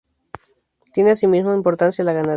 Tiene asimismo importancia la ganadería.